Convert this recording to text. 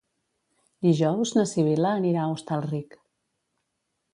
Dijous na Sibil·la anirà a Hostalric.